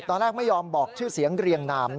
ไม่ยอมบอกชื่อเสียงเรียงนาม